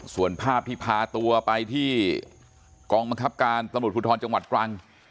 ส่วนภาพที่พาตัวไปที่กองบังคับการตำรวจภูทรจังหวัดตรัง